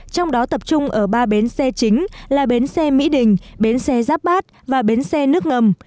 trong đó tập trung ở ba bến xe chính là bến xe mỹ đình bến xe giáp bát và bến xe nước ngầm